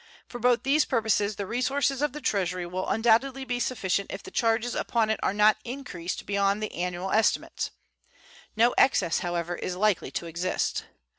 For both these purposes the resources of the Treasury will undoubtedly be sufficient if the charges upon it are not increased beyond the annual estimates. No excess, however, is likely to exist.